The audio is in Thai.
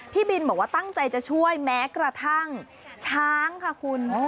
พี่บินบอกว่าตั้งใจจะช่วยแม้กระทั่งช้างค่ะคุณ